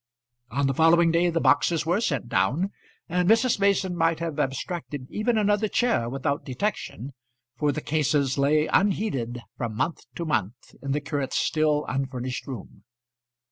On the following day the boxes were sent down, and Mrs. Mason might have abstracted even another chair without detection, for the cases lay unheeded from month to month in the curate's still unfurnished room.